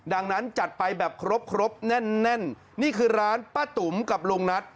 ดังนั้นจัดไปแบบครบครบแน่นแน่นนี่คือร้านป้าตุ๋มกับลุงนัท